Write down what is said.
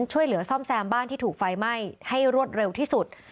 ช่วยเหลือซ่อมแซมบ้านที่ถูกไฟไหม้ให้รวดเร็วที่สุด